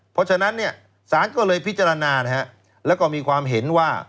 เพราะฉะนั้นสารก็เลยพิจารณาแล้วก็มีความเห็นว่า